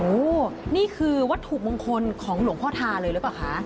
โอ้โหนี่คือวัตถุมงคลของหลวงพ่อทาเลยหรือเปล่าคะ